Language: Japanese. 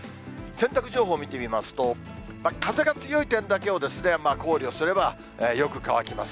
洗濯情報見てみますと、風が強い点だけを考慮すればよく乾きます。